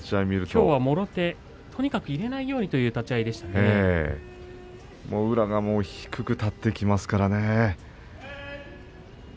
このもろ手、とにかく入れないようにというとにかく宇良は低く立ってきますからね。